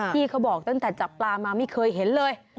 ที่เขาบอกตั้งแต่จับปลามาไม่เคยเห็นเลย